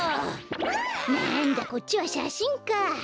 なんだこっちはしゃしんか。